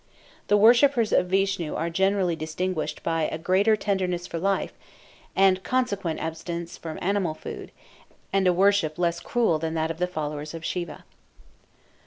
The worshippers of Vishnu are generally distinguished by a greater tenderness for life, and consequent abstinence from animal food, and a worship less cruel than that of the followers of Siva.